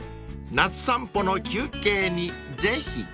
夏散歩の休憩にぜひ］